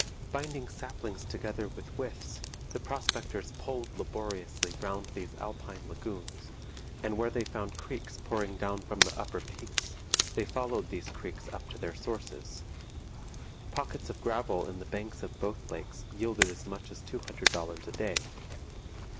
Binding saplings together with withes, the prospectors poled laboriously round these alpine lagoons, and where they found creeks pouring down from the upper peaks, they followed these creeks up to their sources. Pockets of gravel in the banks of both lakes yielded as much as two hundred dollars a day.